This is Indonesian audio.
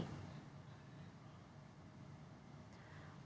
pemkab konawe dan pemprov sulawesi tenggara mengetahui masalah yang sebenarnya terjadi